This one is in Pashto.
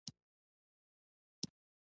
مار د سړي بله ښځه وچیچله.